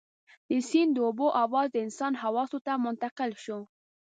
د سيند د اوبو اواز د انسان حواسو ته منتقل شو.